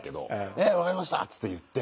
「ええ分かりました」っつって言って。